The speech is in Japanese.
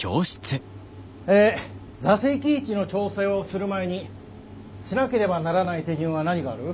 え座席位置の調整をする前にしなければならない手順は何がある？